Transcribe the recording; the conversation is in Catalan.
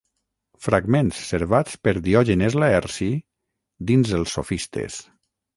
Fragments servats per Diògenes Laerci dins Els sofistes.